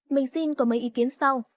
mình xin có mấy ý kiến sau